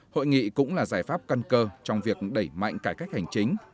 hội nghị cũng là giải pháp căn cơ trong việc đẩy mạnh cải cách hành chính